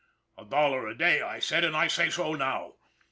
A dollar a day I said, and I say so now.